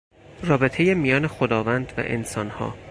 رابط میان خداوند و انسانها